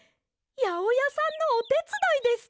やおやさんのおてつだいですか！？